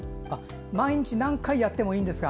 毎日何回やってもいいんですか。